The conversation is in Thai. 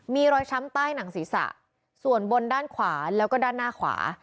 มีรอยช้ำใต้หนังศีรษะส่วนบนด้านขวาแล้วก็ด้านหน้าขวา